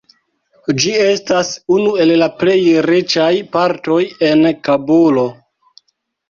Ĝi estas unu el la plej riĉaj partoj en Kabulo.